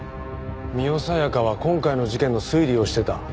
深世小夜香は今回の事件の推理をしてた。